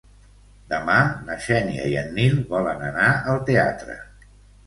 Demà na Xènia i en Nil volen anar al teatre.